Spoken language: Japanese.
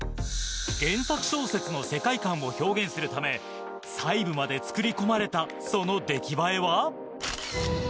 ・原作小説の世界観を表現するため細部まで作り込まれたその出来栄えは？